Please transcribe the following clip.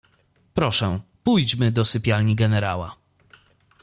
"Proszę, pójdźmy do sypialni generała."